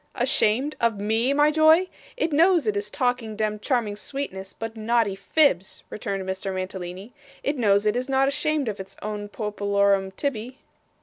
'Ashamed of ME, my joy? It knows it is talking demd charming sweetness, but naughty fibs,' returned Mr. Mantalini. 'It knows it is not ashamed of its own popolorum tibby.